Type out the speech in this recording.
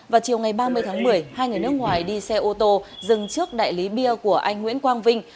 vào chiều ngày ba mươi tháng một mươi hai người nước ngoài đi xe ô tô dừng trước đại lý bia của anh nguyễn quang vinh